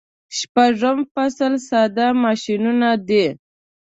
شپږم فصل ساده ماشینونه دي.